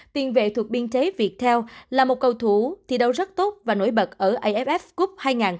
tiền vệ thuộc biên chế viettel là một cầu thủ thi đấu rất tốt và nổi bật ở aff cup hai nghìn hai mươi